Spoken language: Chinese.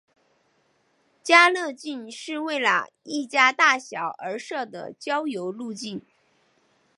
家乐径是为了一家大小而设的郊游路径。